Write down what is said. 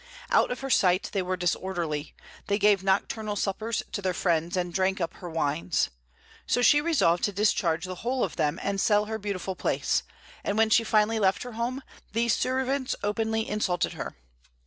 Out of her sight, they were disorderly: they gave nocturnal suppers to their friends, and drank up her wines. So she resolved to discharge the whole of them, and sell her beautiful place; and when she finally left her home, these servants openly insulted her.